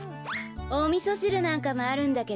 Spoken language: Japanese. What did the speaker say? おみそしるなんかもあるんだけど。